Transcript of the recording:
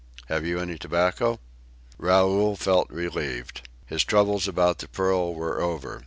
Have you any tobacco?" Raoul felt relieved. His troubles about the pearl were over.